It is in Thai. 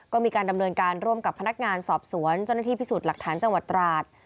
ก็มีการดำเนินการร่วมกับพนักงานสอบสวนเจ้าหน้าที่พิสูจน์หลักฐานจังหวัดตราด